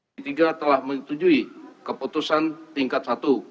komisi tiga telah menetujui keputusan tingkat satu